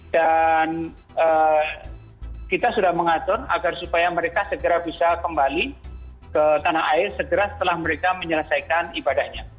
dan kita sudah mengatur agar supaya mereka segera bisa kembali ke tanah air segera setelah mereka menyelesaikan ibadahnya